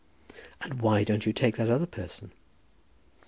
"And why don't you take that other person?"